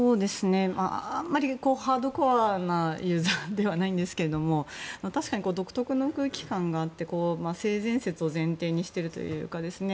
あんまりハードコアなユーザーではないんですけど確かに、独特な空気感があって性善説を前提にしているというかですね。